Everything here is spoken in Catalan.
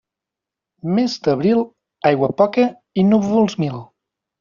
Mes d'abril, aigua poca i núvols mil.